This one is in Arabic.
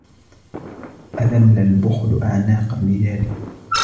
أذل البخل أعناق الرجال